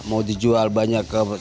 mau dijual banyak ke kampung malang